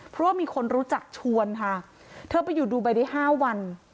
เพราะว่ามีคนรู้จักชวนค่ะเธอไปอยู่ดูไบได้๕วัน